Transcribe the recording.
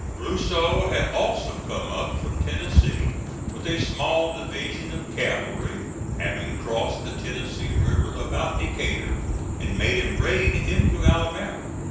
Rousseau had also come up from Tennessee with a small division of cavalry, having crossed the Tennessee River about Decatur and made a raid into Alabama.